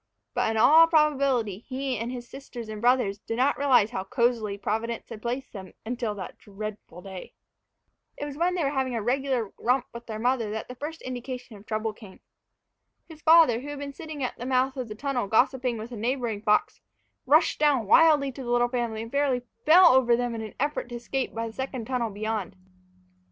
But in all probability he and his brothers and sisters did not realize how cozily Providence had placed them until that dreadful day. It was when they were having their regular romp with their mother that the first indication of trouble came. His father, who had been sitting at the mouth of the tunnel gossiping with a neighboring fox, rushed down wildly to the little family, and fairly fell over them in an effort to escape by the second tunnel beyond.